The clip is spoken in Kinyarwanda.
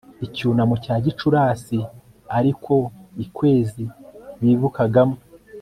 icyunamo cya gicurasi ari ko ikwezi bibukagamo